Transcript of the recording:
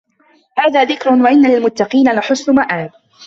هذا ذِكرٌ وَإِنَّ لِلمُتَّقينَ لَحُسنَ مَآبٍ